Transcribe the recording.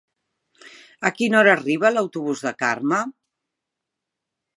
A quina hora arriba l'autobús de Carme?